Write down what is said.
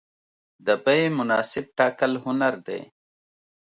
د بیې مناسب ټاکل هنر دی.